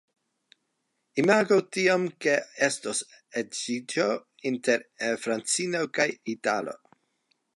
Imagu tiam, ke estos edziĝo inter francino kaj italo.